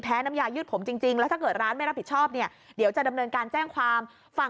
แพ้น้ำยายืดผมจริงจริงแล้วถ้าเกิดร้านไม่รับผิดชอบเดี๋ยวจะดำเนินการแจ้งความ